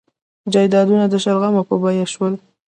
جایدادونه د شلغمو په بیه شول.